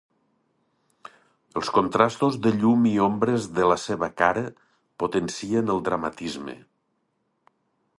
Els contrastos de llum i ombres de la seva cara potencien el dramatisme.